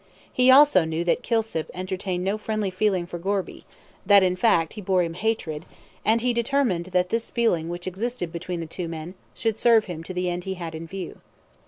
He also knew that Kilsip entertained no friendly feeling for Gorby, that, in fact, he bore him hatred, and he determined that this feeling which existed between the two men, should serve him to the end he had in view.